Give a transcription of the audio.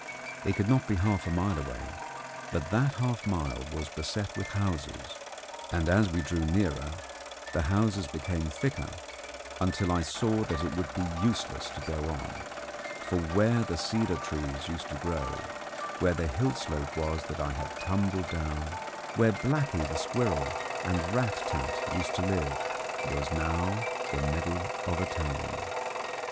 It could not be half a mile away, but that half mile was beset with houses, and as we drew nearer the houses became thicker, until I saw that it would be useless to go on, for where the cedar trees used to grow, where the hill slope was that I had tumbled down, where Blacky the squirrel and Rat tat used to live, was now the middle of a town.